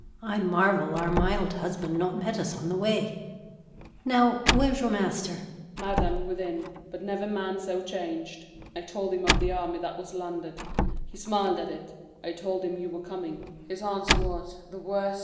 I marvel our mild husband Not met us on the way. Enter [Oswald the] Steward. Now, where's your master? Osw. Madam, within, but never man so chang'd. I told him of the army that was landed: He smil'd at it. I told him you were coming: His answer was, 'The worse.'